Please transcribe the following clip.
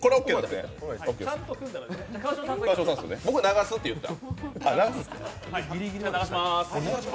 僕は流すって言った。